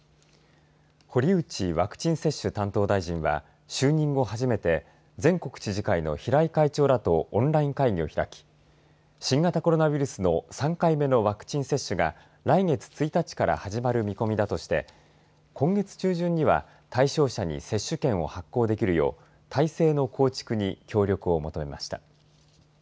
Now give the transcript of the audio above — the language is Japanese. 堀内ワクチン接種担当大臣は就任後、初めて全国知事会の平井会長らとオンライン会議を開き新型コロナウイルスの３回目のワクチン接種が来月１日から始まる見込みだとして今月中旬には対象者に接種券を発行できるよう体制の構築に協力を求めました。